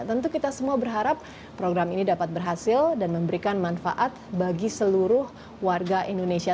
tentu kita semua berharap program ini dapat berhasil dan memberikan manfaat bagi seluruh warga indonesia